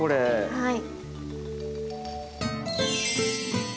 はい。